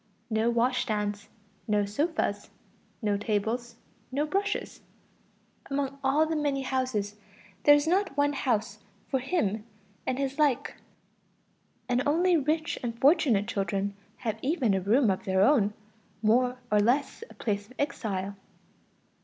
No washstands, no sofas, no tables, no brushes. Among all the many houses, there is not one house for him and his like, and only rich and fortunate children have even a room of their own, more or less a place of exile.